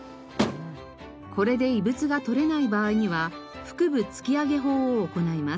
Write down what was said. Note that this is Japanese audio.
これで異物が取れない場合には腹部突き上げ法を行います。